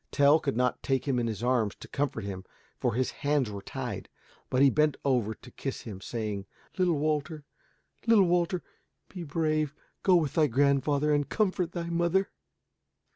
Tell could not take him in his arms to comfort him, for his hands were tied. But he bent over him to kiss him, saying, "Little Walter, little Walter, be brave. Go with thy grandfather and comfort thy mother."